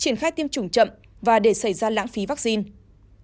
triển khai tiêm chủng chậm và để xảy ra lãng phí vaccine